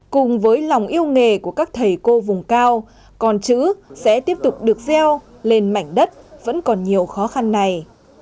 cùng với lòng yêu nghề của các thầy cô vùng cao con chữ sẽ tiếp tục được gieo lên mảnh đất vẫn còn nhiều khó khăn này